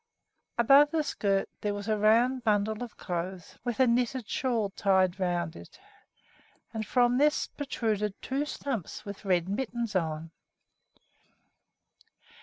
Above the skirt there was a round bundle of clothes with a knitted shawl tied around it, and from this protruded two stumps with red mittens on.